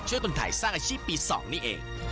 ช่วยต้นไถสร้างอาชีพปี๒นี่เอง